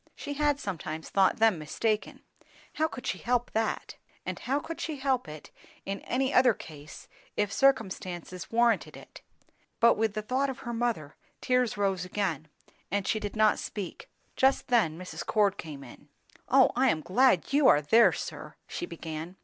She had sometimes thought them mistaken; how could she help that? and how could she help it in any other case, if circumstances warranted it? But with the thought of her mother, tears rose again, and she did not speak. Just then Mrs. Cord came in. "O I am glad you are there, sir!" she began.